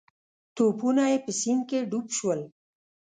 توپونه یې په سیند کې ډوب شول.